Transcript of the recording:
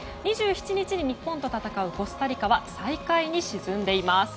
２７日に日本と戦うコスタリカは最下位に沈んでいます。